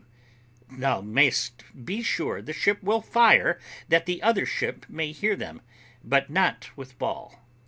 W. Thou mayest be sure the ship will fire that the other ship may hear them, but not with ball.